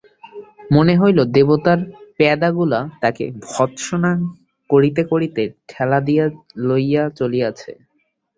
মনে হইল, দেবতার পেয়াদাগুলা তাকে ভর্ৎসনা করিতে করিতে ঠেলা দিয়া লইয়া চলিয়াছে।